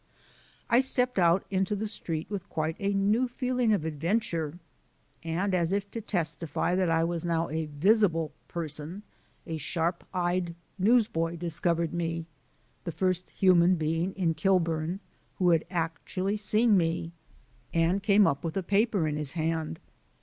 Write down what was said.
I stepped out into the street with quite a new feeling of adventure. And as if to testify that I was now a visible person a sharp eyed newsboy discovered me the first human being in Kilburn who had actually seen me and came up with a paper in his hand.